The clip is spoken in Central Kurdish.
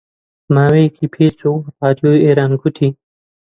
ماوەیەکی پێچوو ڕادیۆ ئێران گوتی: